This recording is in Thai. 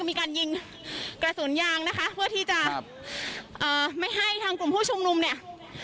มีการยิงกระสุนยางนะคะเพื่อที่จะเอ่อไม่ให้ทางกลุ่มผู้ชุมนุมเนี่ย